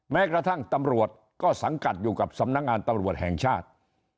แม้กระทั่งตำรวจก็สังกัดอยู่กับสำนักงานตำรวจแห่งชาติ